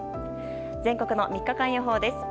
全国の３日間予報です。